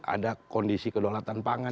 ada kondisi kedolatan pangan